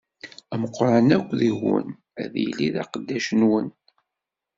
Ameqqran akk deg-wen ad yili d aqeddac-nwen.